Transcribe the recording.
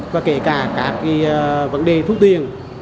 và kể cả các vấn đề thu tiền